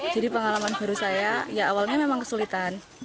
jadi pengalaman baru saya ya awalnya memang kesulitan